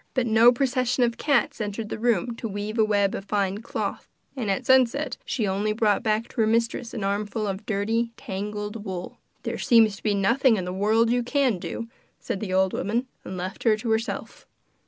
But no procession of cats entered the room to weave a web of fine cloth, and at sunset she only brought back to her mistress an armful of dirty, tangled wool. 'There seems nothing in the world you can do,' said the old woman, and left her to herself.